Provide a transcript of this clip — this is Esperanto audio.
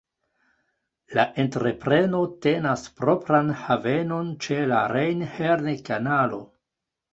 La entrepreno tenas propran havenon ĉe la Rejn-Herne-Kanalo.